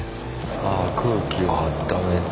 ああ空気をあっためて。